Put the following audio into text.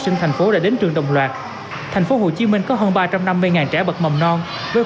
sinh thành phố đã đến trường đồng loạt thành phố hồ chí minh có hơn ba trăm năm mươi trẻ bậc mầm non với